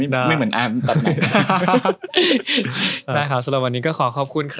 สำหรับวันนี้ก็ขอขอบคุณค่ะ